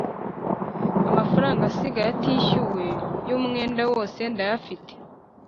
Amafaranga asigaye atishyuwe y’umwenda wose ndayafite